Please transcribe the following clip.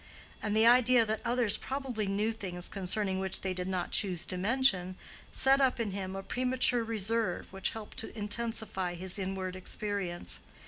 And the idea that others probably knew things concerning which they did not choose to mention, set up in him a premature reserve which helped to intensify his inward experience.